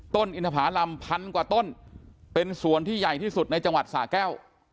อินทภารำพันกว่าต้นเป็นสวนที่ใหญ่ที่สุดในจังหวัดสาแก้ว